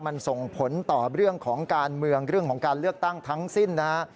มันส่งผลต่อเรื่องของการเมืองเรื่องของการเลือกตั้งทั้งสิ้นนะฮะ